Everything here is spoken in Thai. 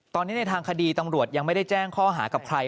ตอนนี้ในทางคดีตำรวจยังไม่ได้แจ้งข้อหากับใคร